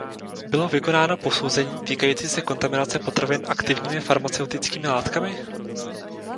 Bylo vykonáno posouzení týkající se kontaminace potravin aktivními farmaceutickými látkami?